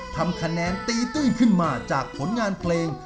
ทำคะแนนตีตื้นขึ้นมาจากผลงานเพลง